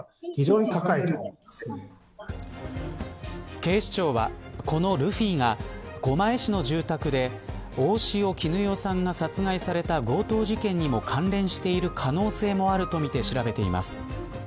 警視庁は、このルフィが狛江市の住宅で、大塩衣与さんが殺害された強盗事件にも関連している可能性もあるとみて調べています。